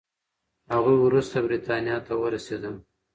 هغوی وروسته بریتانیا ته ورسېدل.